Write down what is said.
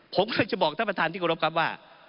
ผมเคยจะบอกท่านประธานที่กรบครับว่า